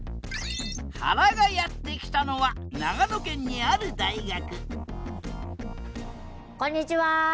はらがやって来たのは長野県にある大学こんにちは！